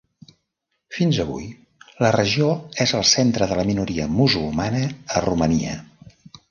Fins avui la regió és el centre de la minoria musulmana a Romania.